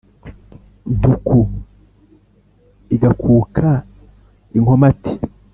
ntuku igakuka inkomati.